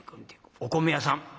お米屋さん。